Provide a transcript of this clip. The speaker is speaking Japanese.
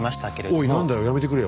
おい何だよやめてくれよ。